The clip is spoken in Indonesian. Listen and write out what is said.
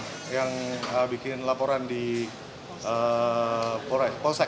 paman rustam yang bikin laporan di polsek